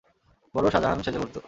বড় শাজাহান সেজে ঘুরতো।